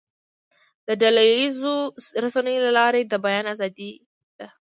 د ډله ییزو رسنیو له لارې د بیان آزادي ده.